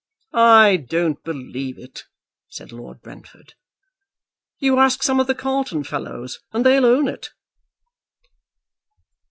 "I don't believe it," said Lord Brentford. "You ask some of the Carlton fellows, and they'll own it."